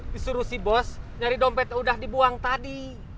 disuruh si bos nyari dompet udah dibuang tadi